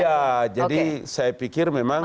ya jadi saya pikir memang